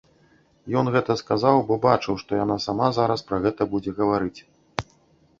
Ён гэта сказаў, бо бачыў, што яна сама зараз пра гэта будзе гаварыць.